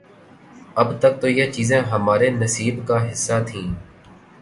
اب تک تو یہ چیزیں ہمارے نصیب کا حصہ تھیں۔